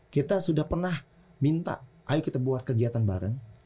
kita sudah pernah minta ayo kita buat kegiatan bareng